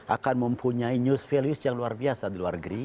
akan mempunyai news values yang luar biasa